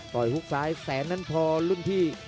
ฮุกซ้ายแสนนั้นพอรุ่นพี่